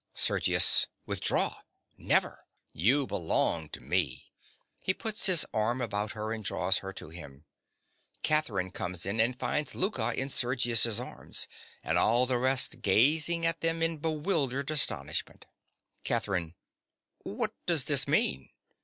SERGIUS. Withdraw! Never! You belong to me! (He puts his arm about her and draws her to him.) (Catherine comes in and finds Louka in Sergius's arms, and all the rest gazing at them in bewildered astonishment.) CATHERINE. What does this mean?